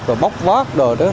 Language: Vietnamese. rồi bóc vót đồ đất